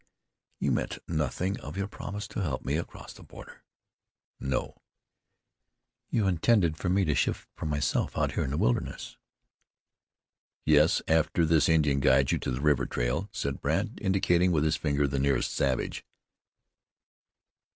"You meant nothing of your promise to help me across the border?" "No." "You intended to let me shift for myself out here in this wilderness?" "Yes, after this Indian guides you to the river trail," said Brandt, indicating with his finger the nearest savage.